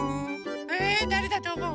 えだれだとおもう？